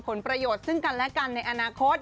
ผลประโยชน์ซึ่งกันและกันในอนาคต